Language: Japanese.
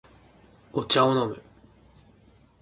お茶を飲む